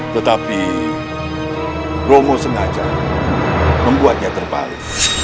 tetapi romo sengaja membuatnya terbalik